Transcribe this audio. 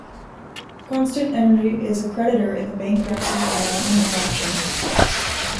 Constant Energy is a creditor in the bankruptcy of Imagine Adoption.